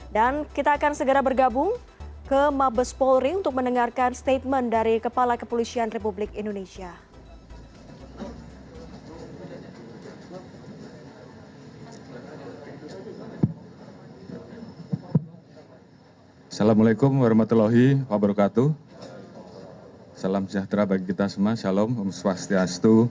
dan kita akan segera bergabung ke mabes polring untuk mendengarkan statement dari kepala kepolisian republik indonesia